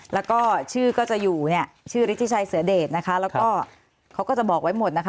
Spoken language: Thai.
แล้วก็ชื่อก็จะอยู่เนี่ยชื่อฤทธิชัยเสือเดชนะคะแล้วก็เขาก็จะบอกไว้หมดนะคะ